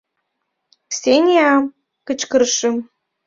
«Ксения! — кычкырышым.